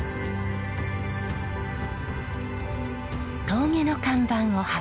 峠の看板を発見。